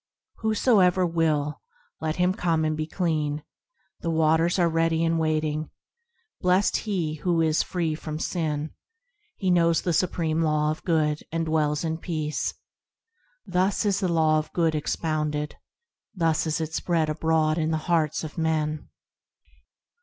Whosoever will, let him come and be clean, The waters are ready and waiting. Blessed he is who is free from sin. He knows the supreme Law of Good, and dwells in peace. Thus is the Law qf Good expounded ; Thus is it spread abroad in the hearts of men.